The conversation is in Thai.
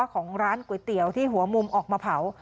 ของร้านก๋วยเตี๋ยวที่หัวมุมออกมาเผา